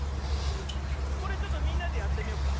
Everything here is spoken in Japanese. これちょっとみんなでやってみよっか。